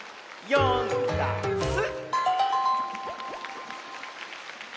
「よんだんす」